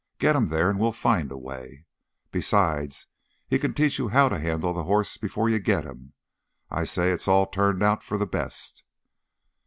Get him there, and we'll find a way. Besides, he can teach you how to handle the hoss before you get him. I say it's all turned out for the best."